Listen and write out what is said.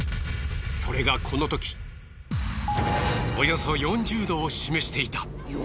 それがこのときおよそ４０度を示していた。